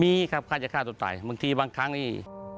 มีครับฆ่าจะฆ่าตัวตายบางทีบางครั้งนี่